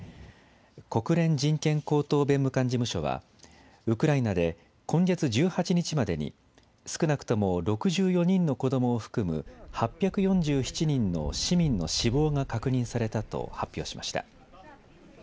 国連人権高等弁務官事務所はウクライナで今月１８日までに少なくとも６４人の子どもを含む８４７人の市民の死亡が確認されたと発表しました。